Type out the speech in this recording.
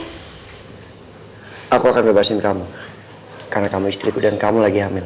hai aku akan bebasin kamu karena kamu istriku dan kamu lagi hamil